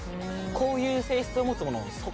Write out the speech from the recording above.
こういう性質を持つものを。